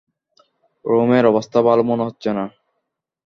রোমের অবস্থা ভালো মনে হচ্ছে না।